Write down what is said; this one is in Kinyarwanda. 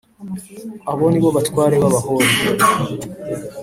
Abo ni bo batware b Abahori